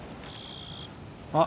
あっ。